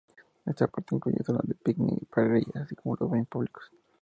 Este parque incluye zonas de picnic y parrillas, así como los baños públicos.